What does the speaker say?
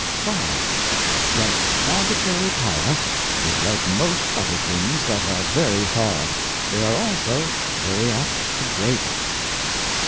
5. That Arbitrary Power is like most other things that are very hard, they are also very apt to break.